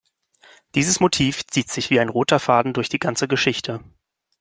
Dieses Motiv zieht sich wie ein roter Faden durch die ganze Geschichte.